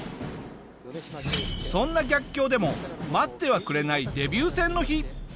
そんな逆境でも待ってはくれないデビュー戦の日。